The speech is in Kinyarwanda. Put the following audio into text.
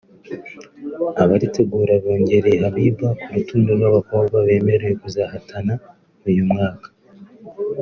abaritegura bongereye Habiba ku rutonde rw’abakobwa bemerewe kuzahatana uyu mwaka